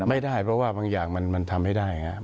ไม่ได้เพราะว่าบางอย่างมันทำให้ได้ครับ